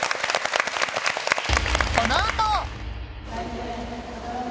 このあと！